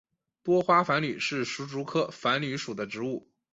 多花繁缕是石竹科繁缕属的植物。